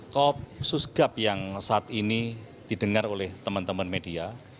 kopsus gap yang saat ini didengar oleh teman teman media